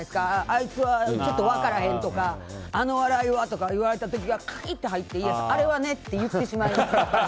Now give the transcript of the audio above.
あいつはちょっと分からへんとかあの笑いはとか言われた時は入ってあれはねって言ってしまいます。